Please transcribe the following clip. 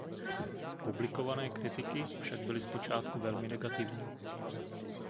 Publikované kritiky však byly zpočátku velmi negativní.